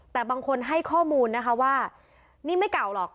แต่บางคนให้ข้อมูลนะคะว่านี่ไม่เก่าหรอก